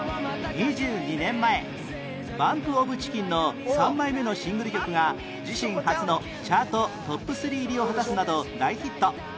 ２２年前 ＢＵＭＰＯＦＣＨＩＣＫＥＮ の３枚目のシングル曲が自身初のチャートトップ３入りを果たすなど大ヒット